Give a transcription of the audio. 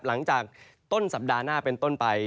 หลังจากต้นสัปดาห์หน้าเป็นต้นไป